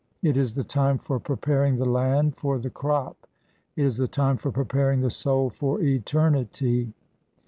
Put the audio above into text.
It is the time for preparing the land for the crop; it is the time for preparing the soul for eternity.